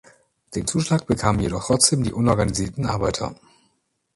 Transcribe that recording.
Den Zuschlag bekamen jedoch trotzdem die unorganisierten Arbeiter.